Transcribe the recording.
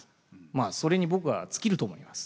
それに僕は尽きると思います。